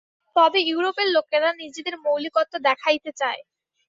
তবে ইউরোপের লোকেরা নিজেদের মৌলিকত্ব দেখাইতে চায়।